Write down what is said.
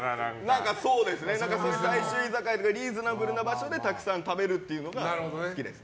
大衆居酒屋とかリーズナブルな場所でたくさん食べるのが好きです。